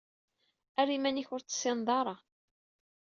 Err iman-ik ur t-tessineḍ ara.